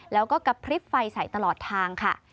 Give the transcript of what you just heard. แล้วก็กระพริบไฟใส่ตลอดทางค่ะ